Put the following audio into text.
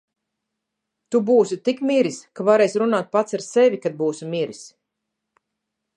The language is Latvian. Tu būsi tik miris, ka varēsi runāt pats ar sevi, kad būsi miris!